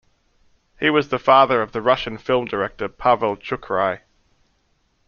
He was the father of the Russian film director Pavel Chukhrai.